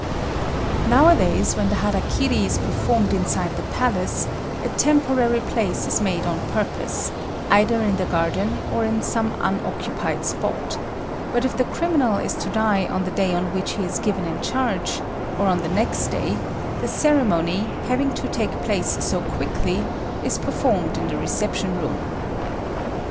] Nowadays, when the hara kiri is performed inside the palace, a temporary place is made on purpose, either in the garden or in some unoccupied spot; but if the criminal is to die on the day on which he is given in charge, or on the next day, the ceremony, having to take place so quickly, is performed in the reception room.